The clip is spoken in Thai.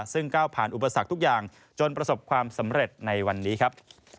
ซึ่งก้าวผ่านอุปสรรคทุกอย่างจนประสบความสำเร็จในวันนี้ครับ